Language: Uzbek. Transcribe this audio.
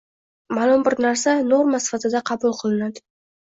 – ma’lum bir narsa norma sifatida qabul qilinadi